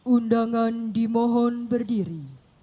undangan dimohon berdiri